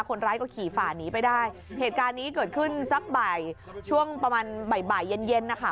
คนร้ายก็ขี่ฝ่าหนีไปได้เหตุการณ์นี้เกิดขึ้นสักบ่ายช่วงประมาณบ่ายบ่ายเย็นเย็นนะคะ